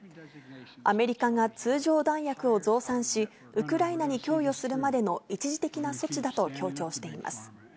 アメリカが通常弾薬を増産し、ウクライナに供与するまでの一時的な措置だと強調しています。